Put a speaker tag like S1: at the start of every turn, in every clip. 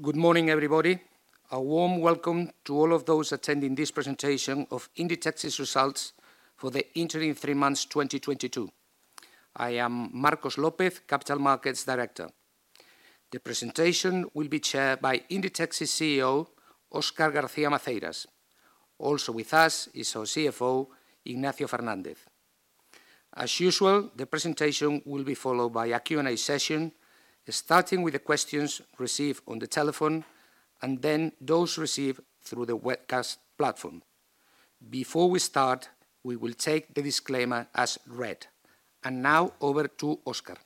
S1: Good morning, everybody. A warm welcome to all of those attending this presentation of Inditex's results for the interim 3 months 2022. I am Marcos López García, Capital Markets Director. The presentation will be chaired by Inditex's CEO, Óscar García Maceiras. Also with us is our CFO, Ignacio Fernández. As usual, the presentation will be followed by a Q&A session, starting with the questions received on the telephone and then those received through the webcast platform. Before we start, we will take the disclaimer as read. Now over to Óscar.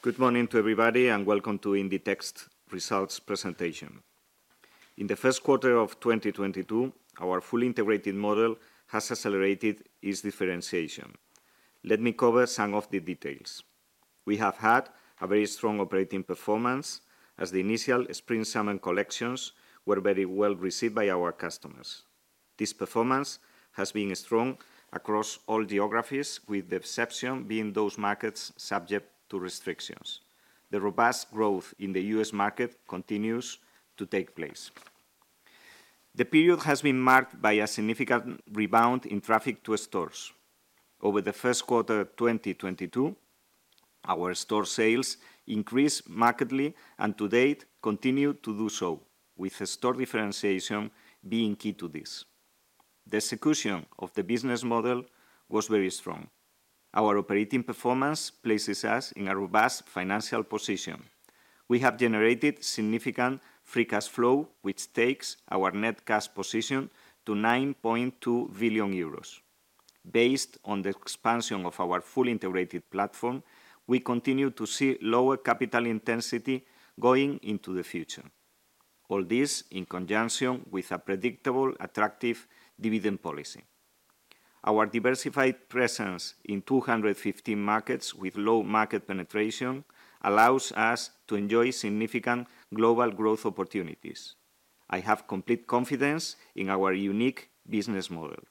S2: Good morning to everybody, and welcome to Inditex results presentation. In the first 1/4 of 2022, our fully integrated model has accelerated its differentiation. Let me cover some of the details. We have had a very strong operating performance as the initial spring/summer collections were very well received by our customers. This performance has been strong across all geographies, with the exception being those markets subject to restrictions. The robust growth in the U.S. market continues to take place. The period has been marked by a significant rebound in traffic to stores. Over the first 1/4 2022, our store sales increased markedly and to date continue to do so, with store differentiation being key to this. The execution of the business model was very strong. Our operating performance places us in a robust financial position. We have generated significant free cash flow, which takes our net cash position to 9.2 billion euros. Based on the expansion of our fully integrated platform, we continue to see lower capital intensity going into the future. All this in conjunction with a predictable, attractive dividend policy. Our diversified presence in 215 markets with low market penetration allows us to enjoy significant global growth opportunities. I have complete confidence in our unique business model.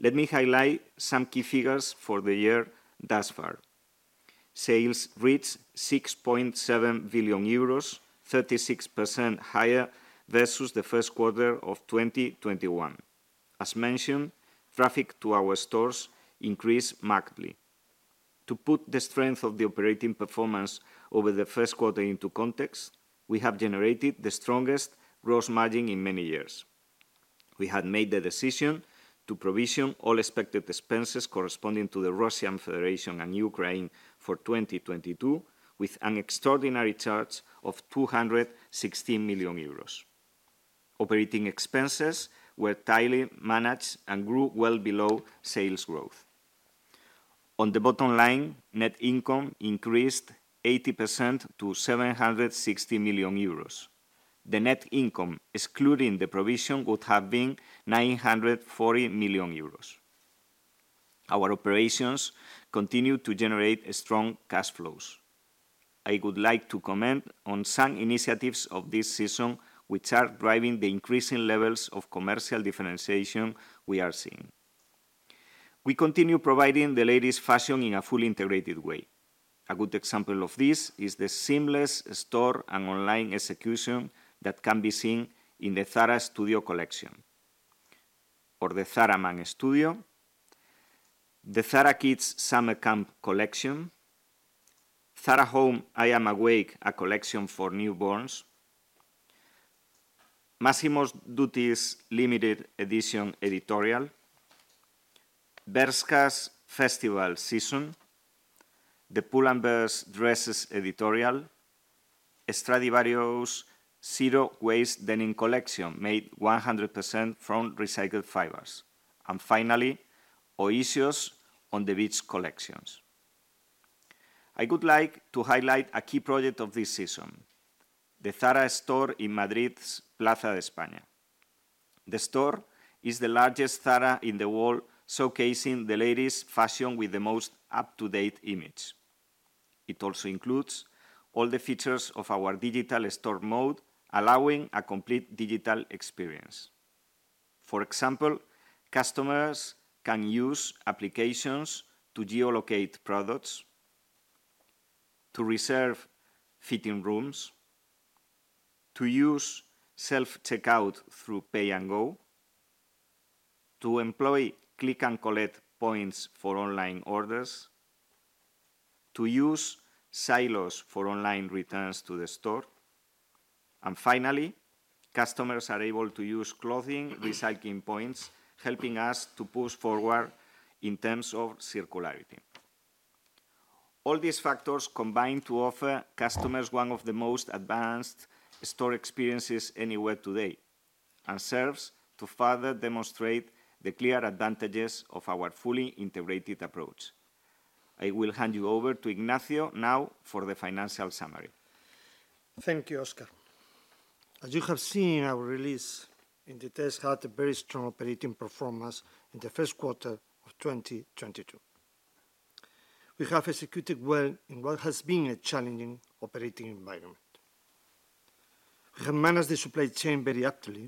S2: Let me highlight some key figures for the year thus far. Sales reached 6.7 billion euros, 36% higher versus the first 1/4 of 2021. As mentioned, traffic to our stores increased markedly. To put the strength of the operating performance over the first 1/4 into context, we have generated the strongest gross margin in many years. We had made the decision to provision all expected expenses corresponding to the Russian Federation and Ukraine for 2022, with an extraordinary charge of 216 million euros. Operating expenses were tightly managed and grew well below sales growth. On the bottom line, net income increased 80% to 760 million euros. The net income, excluding the provision, would have been 940 million euros. Our operations continue to generate strong cash flows. I would like to comment on some initiatives of this season which are driving the increasing levels of commercial differentiation we are seeing. We continue providing the latest fashion in a fully integrated way. A good example of this is the seamless store and online execution that can be seen in the Zara Studio collection, or the Zara Man Studio, the Zara Kids Summer Camp collection, Zara Home I Am Awake, a collection for newborns, Massimo Dutti's limited edition editorial, Bershka's Festival Season, the Pull&Bear's Dresses editorial, Stradivarius' Zero Waste Denim collection made 100% from recycled fibers, and finally, Oysho's On The Beach collections. I would like to highlight a key project of this season, the Zara store in Madrid's Plaza de España. The store is the largest Zara in the world, showcasing the latest fashion with the most up-to-date image. It also includes all the features of our digital Store Mode, allowing a complete digital experience. For example, customers can use applications to geolocate products, to reserve fitting rooms, to use self-checkout through Pay & Go, to employ click and collect points for online orders, to use silos for online returns to the store. Finally, customers are able to use clothing recycling points, helping us to push forward in terms of circularity. All these factors combine to offer customers one of the most advanced store experiences anywhere today, and serves to further demonstrate the clear advantages of our fully integrated approach. I will hand you over to Ignacio now for the financial summary.
S3: Thank you, Óscar. As you have seen in our release, Inditex had a very strong operating performance in the first 1/4 of 2022. We have executed well in what has been a challenging operating environment. We have managed the supply chain very aptly,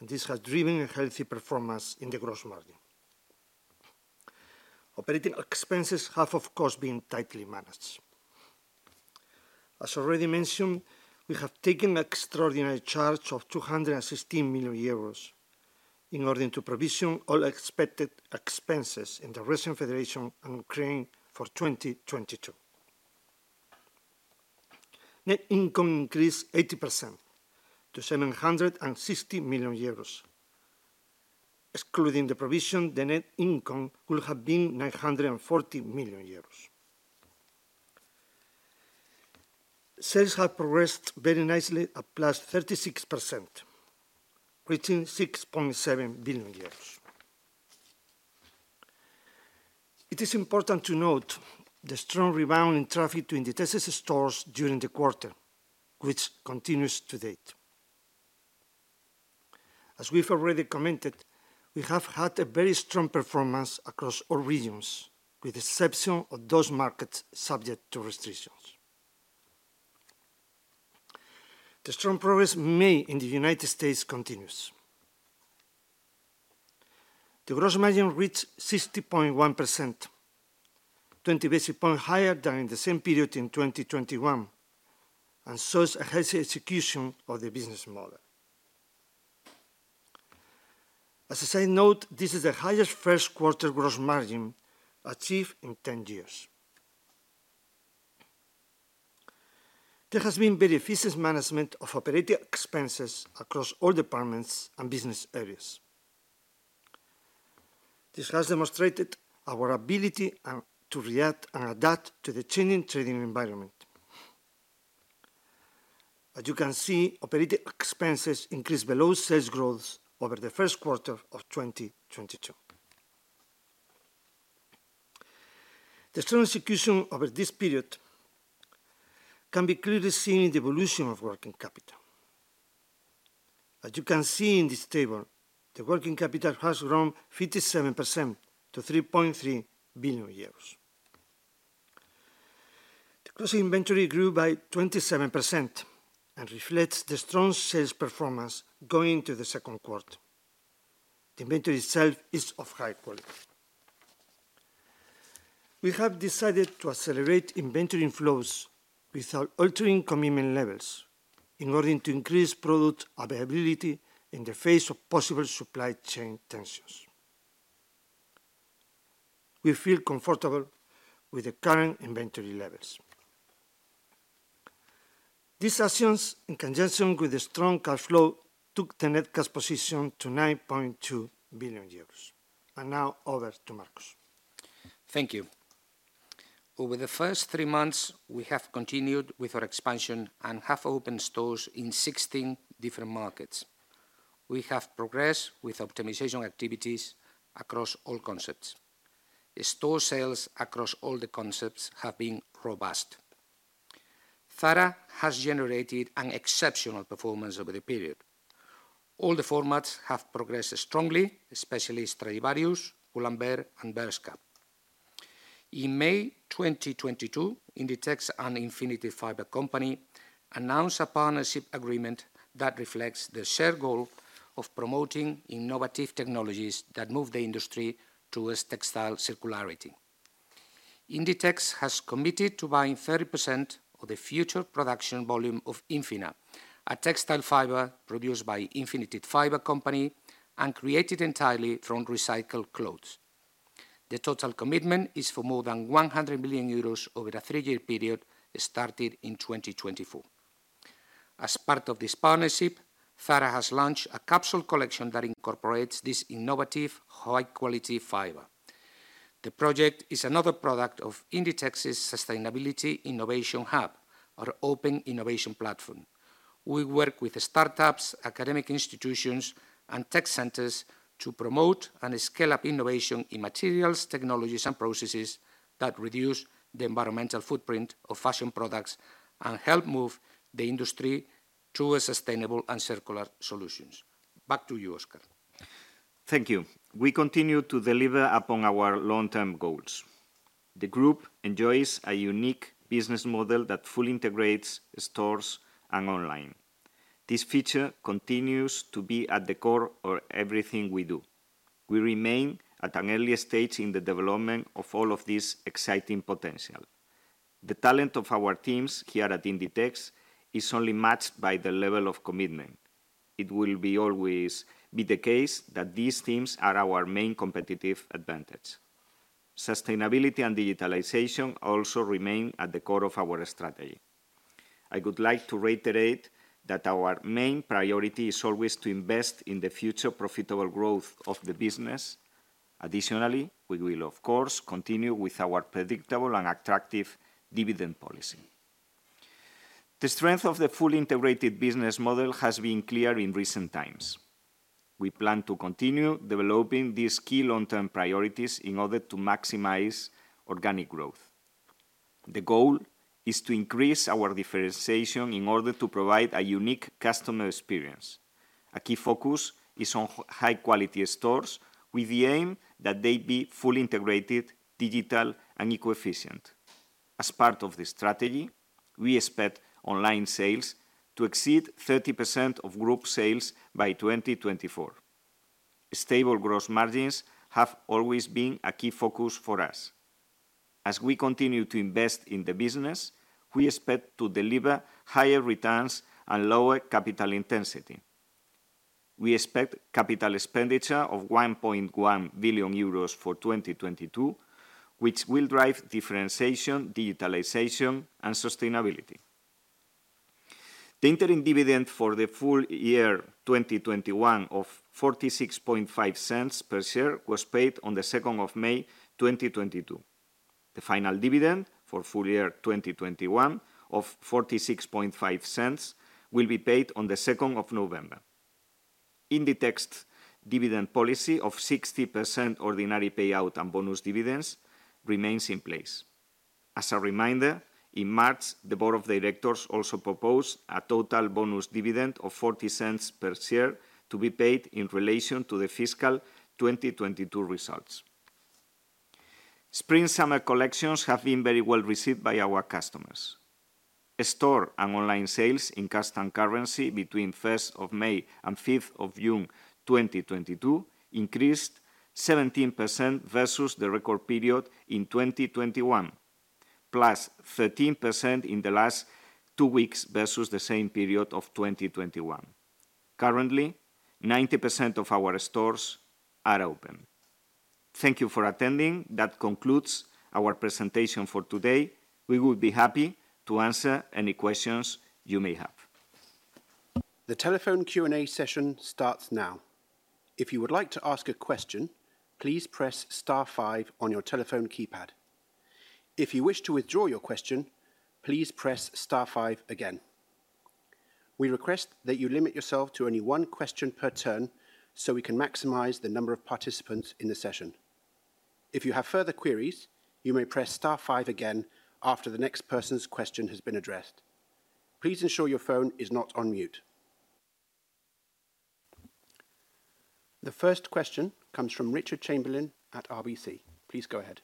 S3: and this has driven a healthy performance in the gross margin. Operating expenses have of course been tightly managed. As already mentioned, we have taken extraordinary charge of 216 million euros in order to provision all expected expenses in the Russian Federation and Ukraine for 2022. Net income increased 80% to 760 million euros. Excluding the provision, the net income will have been 940 million euros. Sales have progressed very nicely at +36%, reaching EUR 6.7 billion. It is important to note the strong rebound in traffic to Inditex's stores during the 1/4, which continues to date. As we've already commented, we have had a very strong performance across all regions with the exception of those markets subject to restrictions. The strong progress made in the United States continues. The gross margin reached 60.1%, 20 basis points higher than in the same period in 2021, and shows a healthy execution of the business model. As a side note, this is the highest first 1/4 gross margin achieved in 10 years. There has been very efficient management of operating expenses across all departments and business areas. This has demonstrated our ability to react and adapt to the changing trading environment. As you can see, operating expenses increased below sales growth over the first 1/4 of 2022. The strong execution over this period can be clearly seen in the evolution of working capital. As you can see in this table, the working capital has grown 57% to EUR 3.3 billion. The gross inventory grew by 27% and reflects the strong sales performance going into the second 1/4. The inventory itself is of high quality. We have decided to accelerate inventory flows without altering commitment levels in order to increase product availability in the face of possible supply chain tensions. We feel comfortable with the current inventory levels. These actions, in conjunction with the strong cash flow, took the net cash position to 9.2 billion euros. Now over to Marcos.
S1: Thank you. Over the first 3 months, we have continued with our expansion and have opened stores in 16 different markets. We have progressed with optimization activities across all concepts. Store sales across all the concepts have been robust. Zara has generated an exceptional performance over the period. All the formats have progressed strongly, especially Stradivarius, Pull&Bear, and Bershka. In May 2022, Inditex and Infinited Fiber Company announced a partnership agreement that reflects the shared goal of promoting innovative technologies that move the industry towards textile circularity. Inditex has committed to buying 30% of the future production volume of Infinna, a textile fiber produced by Infinited Fiber Company and created entirely from recycled clothes. The total commitment is for more than 100 million euros over a 3-year period started in 2024. As part of this partnership, Zara has launched a capsule collection that incorporates this innovative, High-Quality fiber. The project is another product of Inditex's Sustainability Innovation Hub, our open innovation platform. We work with startups, academic institutions, and tech centers to promote and scale up innovation in materials, technologies, and processes that reduce the environmental footprint of fashion products and help move the industry towards sustainable and circular solutions. Back to you, Óscar.
S2: Thank you. We continue to deliver upon our Long-Term goals. The group enjoys a unique business model that fully integrates stores and online. This feature continues to be at the core of everything we do. We remain at an early stage in the development of all of this exciting potential. The talent of our teams here at Inditex is only matched by the level of commitment. It will always be the case that these teams are our main competitive advantage. Sustainability and digitalization also remain at the core of our strategy. I would like to reiterate that our main priority is always to invest in the future profitable growth of the business. Additionally, we will of course continue with our predictable and attractive dividend policy. The strength of the fully integrated business model has been clear in recent times. We plan to continue developing these key Long-Term priorities in order to maximize organic growth. The goal is to increase our differentiation in order to provide a unique customer experience. A key focus is on High-Quality stores with the aim that they be fully integrated, digital, and eco-efficient. As part of this strategy, we expect online sales to exceed 30% of group sales by 2024. Stable gross margins have always been a key focus for us. As we continue to invest in the business, we expect to deliver higher returns and lower capital intensity. We expect capital expenditure of 1.1 billion euros for 2022, which will drive differentiation, digitalization, and sustainability. The interim dividend for the full year 2021 of 0.465 per share was paid on the second of May, 2022. The final dividend for full year 2021 of 0.465 will be paid on the second of November. Inditex dividend policy of 60% ordinary payout and bonus dividends remains in place. As a reminder, in March, the board of directors also proposed a total bonus dividend of 0.40 per share to be paid in relation to the fiscal 2022 results. Spring/summer collections have been very well received by our customers. Store and online sales in constant currency between first of May and fifth of June 2022 increased 17% versus the record period in 2021, plus 13% in the last 2 weeks versus the same period of 2021. Currently, 90% of our stores are open. Thank you for attending. That concludes our presentation for today. We will be happy to answer any questions you may have.
S4: The telephone Q&A session starts now. If you would like to ask a question, please press star 5 on your telephone keypad. If you wish to withdraw your question, please press star 5 again. We request that you limit yourself to only one question per turn, so we can maximize the number of participants in the session. If you have further queries, you may press star 5 again after the next person's question has been addressed. Please ensure your phone is not on mute. The first question comes from Richard Chamberlain at RBC. Please go ahead.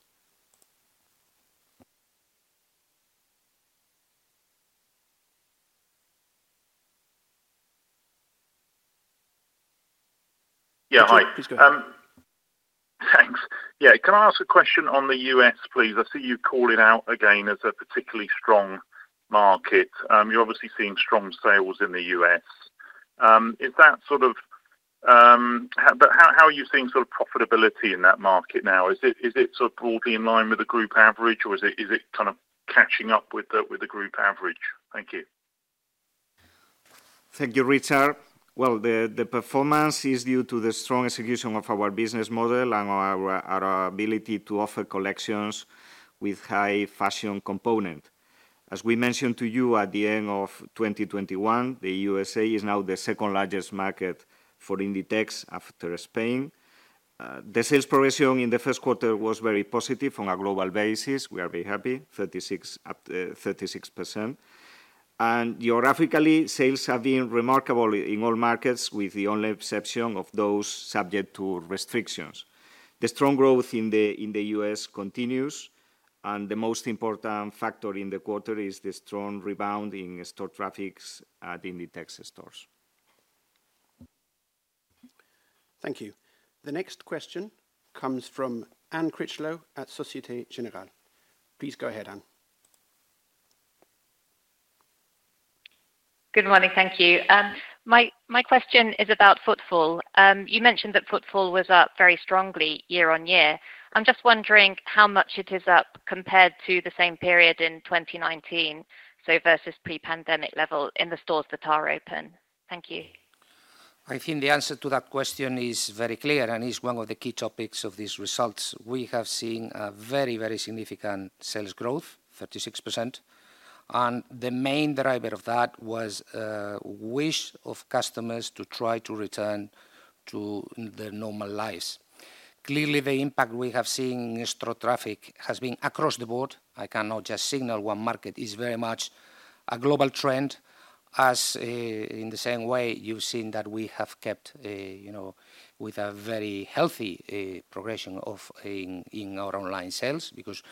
S5: Yeah. Hi.
S4: Please go ahead.
S5: Thanks. Yeah. Can I ask a question on the U.S., please? I see you call it out again as a particularly strong market. You're obviously seeing strong sales in the U.S. How are you seeing sort of profitability in that market now? Is it sort of broadly in line with the group average or is it kind of catching up with the group average? Thank you.
S2: Thank you, Richard. Well, the performance is due to the strong execution of our business model and our ability to offer collections with high fashion component. As we mentioned to you at the end of 2021, the U.S. is now the second largest market for Inditex after Spain. The sales progression in the first 1/4 was very positive on a global basis. We are very happy, 36%. Geographically, sales have been remarkable in all markets, with the only exception of those subject to restrictions. The strong growth in the U.S. continues, and the most important factor in the 1/4 is the strong rebound in store traffic at Inditex stores.
S4: Thank you. The next question comes from Anne Critchlow at Société Générale. Please go ahead, Anne.
S6: Good morning. Thank you. My question is about footfall. You mentioned that footfall was up very strongly year on year. I'm just wondering how much it is up compared to the same period in 2019, so versus Pre-Pandemic level in the stores that are open. Thank you.
S2: I think the answer to that question is very clear and is one of the key topics of these results. We have seen a very, very significant sales growth, 36%, and the main driver of that was wish of customers to try to return to the normal lives. Clearly, the impact we have seen in store traffic has been across the board. I cannot just signal one market. It's very much a global trend as in the same way you've seen that we have kept, you know, with a very healthy progression in our online sales. Because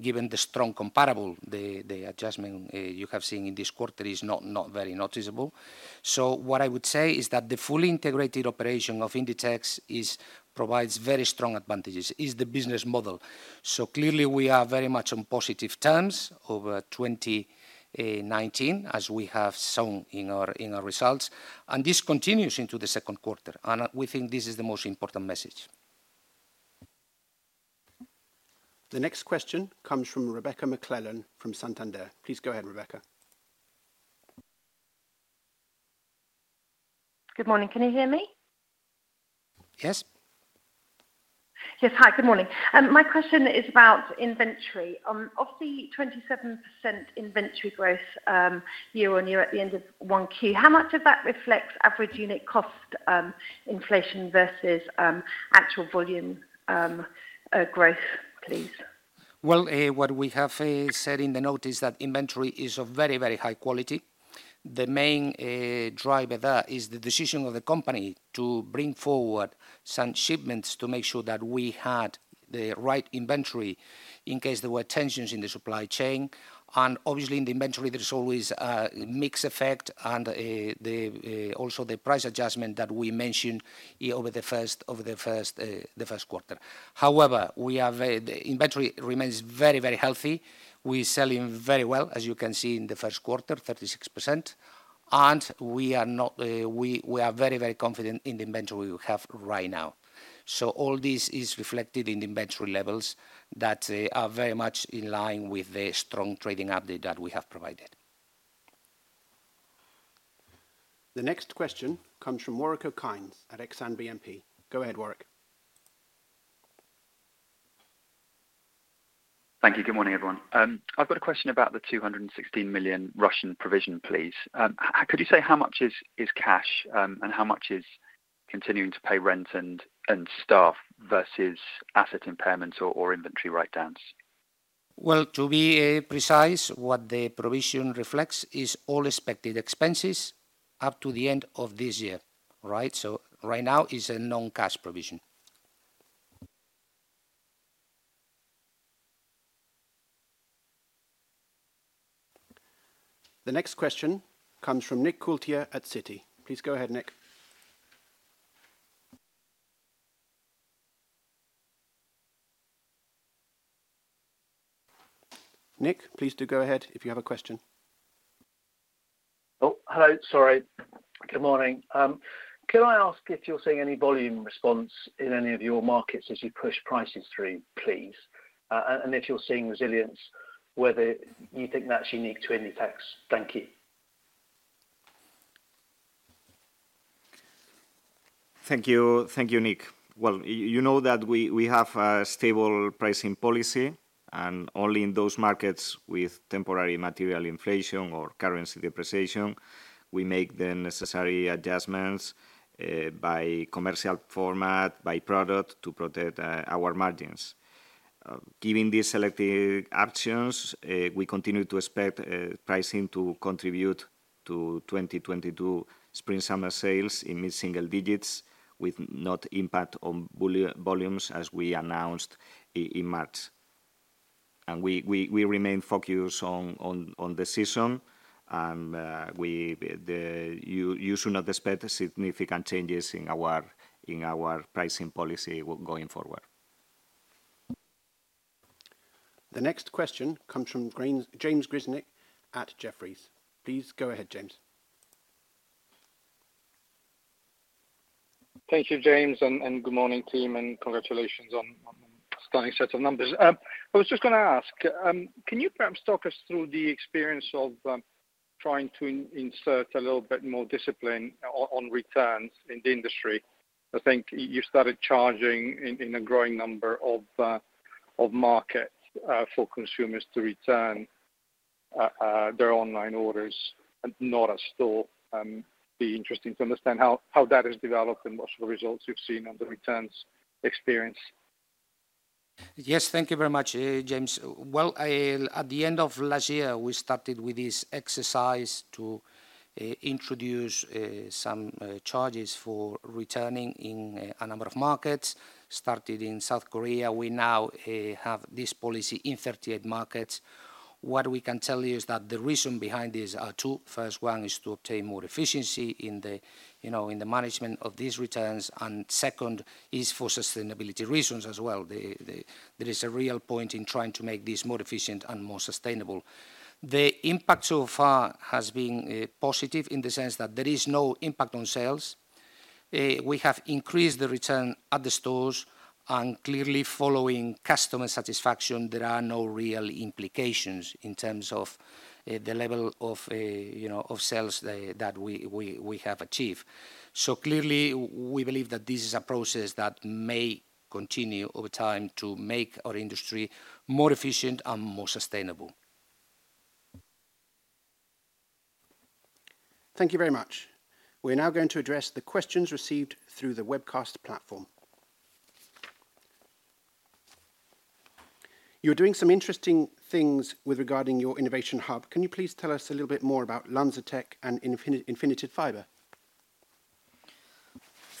S2: given the strong comparable, the adjustment you have seen in this 1/4 is not very noticeable. What I would say is that the fully integrated operation of Inditex is provides very strong advantages, is the business model. Clearly we are very much on positive terms over 2019, as we have shown in our results, and this continues into the second 1/4. We think this is the most important message.
S4: The next question comes from Rebecca McClellan from Santander. Please go ahead, Rebecca.
S7: Good morning. Can you hear me?
S4: Yes.
S7: Yes. Hi, good morning. My question is about inventory. Of the 27% inventory growth, year-on-year at the end of 1Q, how much of that reflects average unit cost inflation versus actual volume growth, please?
S2: Well, what we have said in the note is that inventory is of very, very high quality. The main driver there is the decision of the company to bring forward some shipments to make sure that we had the right inventory in case there were tensions in the supply chain. Obviously in the inventory, there is always a mix effect and also the price adjustment that we mentioned over the first 1/4. However, the inventory remains very, very healthy. We're selling very well, as you can see in the first 1/4, 36%, and we are very, very confident in the inventory we have right now. All this is reflected in the inventory levels that are very much in line with the strong trading update that we have provided.
S4: The next question comes from Warwick Okines at Exane BNP Paribas. Go ahead, Warwick.
S8: Thank you. Good morning, everyone. I've got a question about the 216 million Russian provision, please. How could you say how much is cash, and how much is continuing to pay rent and staff versus asset impairments or inventory write-downs?
S2: Well, to be precise, what the provision reflects is all expected expenses up to the end of this year, right? Right now is a non-cash provision.
S4: The next question comes from Nick Coulter at Citi. Please go ahead, Nick. Nick, please do go ahead if you have a question.
S9: Oh, hello. Sorry. Good morning. Can I ask if you're seeing any volume response in any of your markets as you push prices through, please? If you're seeing resilience, whether you think that's unique to Inditex? Thank you.
S2: Thank you. Thank you, Nick. Well, you know that we have a stable pricing policy, and only in those markets with temporary material inflation or currency depreciation, we make the necessary adjustments, by commercial format, by product to protect, our margins. Giving these selective options, we continue to expect, pricing to contribute to 2022 spring/summer sales in Mid-Single digits with no impact on volumes as we announced in March. We remain focused on the season. You should not expect significant changes in our pricing policy going forward.
S4: The next question comes from James Grzinic at Jefferies. Please go ahead, James.
S10: Thank you, James, and good morning, team, and congratulations on a stunning set of numbers. I was just gonna ask, can you perhaps talk us through the experience of trying to insert a little bit more discipline on returns in the industry? I think you started charging in a growing number of markets for consumers to return their online orders and not in store. It'd be interesting to understand how that has developed and what sort of results you've seen on the returns experience.
S2: Yes. Thank you very much, James. Well, at the end of last year, we started with this exercise to introduce some charges for returning in a number of markets. Started in South Korea. We now have this policy in 38 markets. What we can tell you is that the reason behind this are 2. First one is to obtain more efficiency in the, you know, in the management of these returns, and second is for sustainability reasons as well. There is a real point in trying to make this more efficient and more sustainable. The impact so far has been positive in the sense that there is no impact on sales. We have increased the return at the stores, and clearly following customer satisfaction, there are no real implications in terms of, the level of, you know, of sales that we have achieved. Clearly, we believe that this is a process that may continue over time to make our industry more efficient and more sustainable.
S4: Thank you very much. We are now going to address the questions received through the webcast platform. You are doing some interesting things with regard to your innovation hub. Can you please tell us a little bit more about LanzaTech and Infinited Fiber?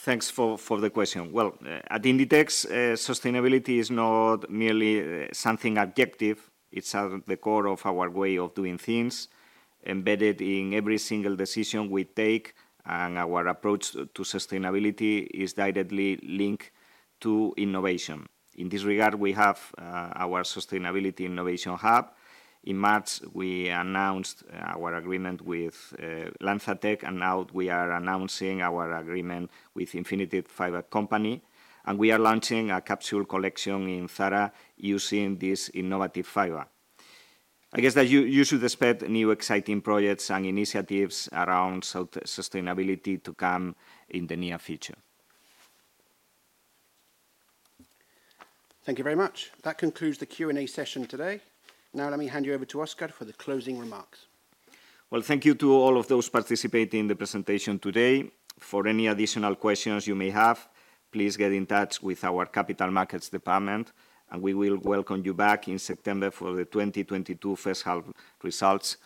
S2: Thanks for the question. Well, at Inditex, sustainability is not merely something objective. It's at the core of our way of doing things, embedded in every single decision we take, and our approach to sustainability is directly linked to innovation. In this regard, we have our Sustainability Innovation Hub. In March, we announced our agreement with LanzaTech, and now we are announcing our agreement with Infinited Fiber Company, and we are launching a capsule collection in Zara using this innovative fiber. I guess that you should expect new exciting projects and initiatives around sustainability to come in the near future.
S4: Thank you very much. That concludes the Q&A session today. Now let me hand you over to Óscar for the closing remarks.
S2: Well, thank you to all of those participating in the presentation today. For any additional questions you may have, please get in touch with our capital markets department, and we will welcome you back in September for the 2022 first 1/2 results.